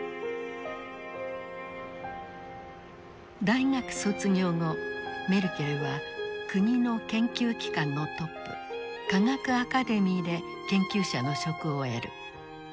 大学卒業後メルケルは国の研究機関のトップ科学アカデミーで研究者の職を得る。